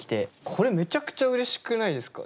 これめちゃくちゃうれしくないですか？